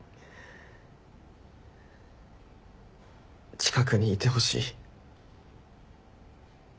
近くにいてほしい。